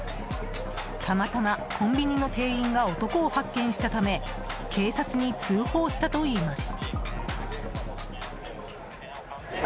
たまたまコンビニの店員が男を発見したため警察に通報したといいます。